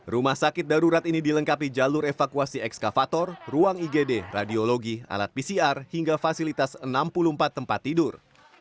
rumah sakit darurat ini dilengkapi jalur evakuasi ekskavator ruang igd radiologi alat pcr hingga fasilitas enam puluh empat tempat tidur